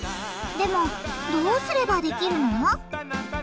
でもどうすればできるの？